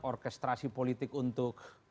orkestrasi politik untuk